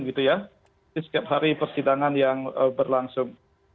jadi setiap hari persidangan yang berlangsung